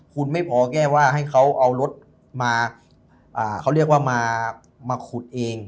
คุณไม่พอแก้ว่าให้เขาเอารถมาขุดเอง